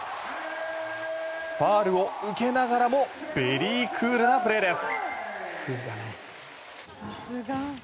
ファウルを受けながらもベリークールなプレーです。